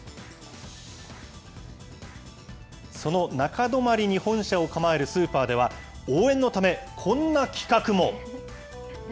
その中泊に本社を構えるスーパーでは、応援のため、こんな企画も。